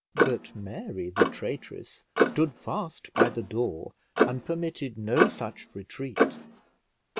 But Mary, the traitress, stood fast by the door, and permitted no such retreat.